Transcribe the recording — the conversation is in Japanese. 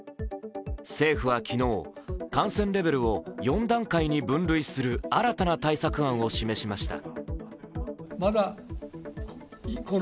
政府は昨日、感染レベルを４段階に分類する新たな対策案を示しました。